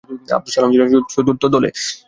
আবদুস সালাম ছিলেন চতুর্থ দলে।